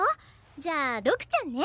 じゃあ六ちゃんね！